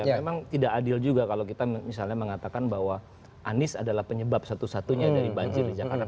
memang tidak adil juga kalau kita misalnya mengatakan bahwa anies adalah penyebab satu satunya dari banjir di jakarta